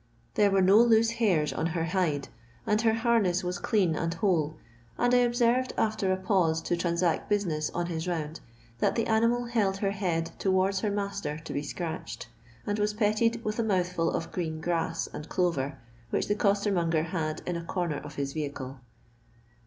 There were no loose hairs on her hide, and her harness was clean and whole, and 1 observed after a pause to transact business on his round, that the animal held her head towards her master to be scratched, and was petted with a mouthful of green grass and clover, which the costermonger had in a comer of his vehicle.